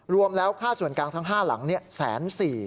รวมแล้วค่าส่วนกลางทั้ง๕หลัง๑๔๐๐บาท